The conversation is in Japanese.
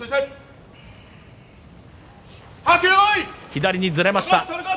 左にずれました。